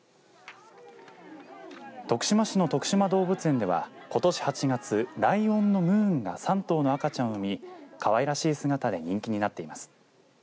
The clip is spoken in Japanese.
徳島市のとくしま動物園では、ことし８月ライオンのムーンが３頭の赤ちゃんを産みかわいらしい姿で人気になっています。